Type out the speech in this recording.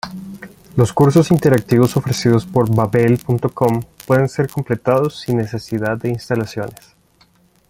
Los cursos interactivos ofrecidos por babbel.com pueden ser completados sin necesidad de instalaciones.